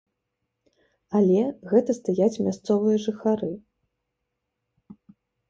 Але гэта стаяць мясцовыя жыхары.